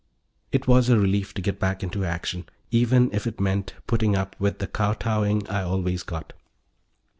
It was a relief to get back into action, even if it meant putting up with the kowtowing I always got.